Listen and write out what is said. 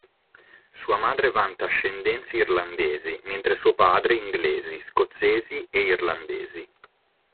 Sua madre vanta ascendenze irlandesi, mentre suo padre inglesi, scozzesi e irlandesi.